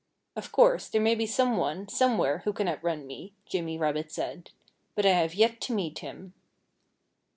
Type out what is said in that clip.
"Of course, there may be some one, somewhere, who can outrun me," Jimmy Rabbit said. "But I have yet to meet him."